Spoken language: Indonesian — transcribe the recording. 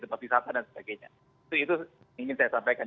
tempat wisata dan sebagainya itu ingin saya sampaikan